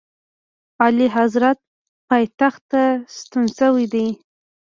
اعلیحضرت پایتخت ته ستون شوی دی.